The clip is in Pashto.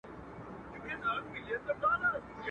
بل زورور دي په ښارونو کي په دار کي خلک.